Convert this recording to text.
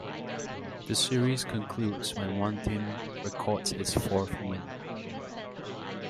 The series concludes when one team records its fourth win.